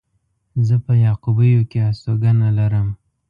زه په يعقوبيو کې هستوګنه لرم.